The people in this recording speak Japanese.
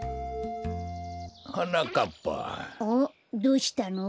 どうしたの？